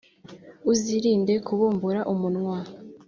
uzirinde kubumbura umunwa,